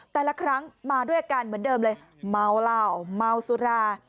แต่ละครั้งมาด้วยอาการเหมือนเดิมเลยเมาเหล้าเมาสุรา